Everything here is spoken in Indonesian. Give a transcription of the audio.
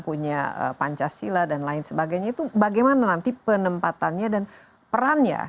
punya pancasila dan lain sebagainya itu bagaimana nanti penempatannya dan perannya